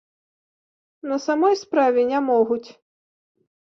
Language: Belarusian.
На самой справе, не могуць.